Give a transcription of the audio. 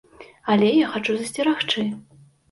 Але я хачу засцерагчы.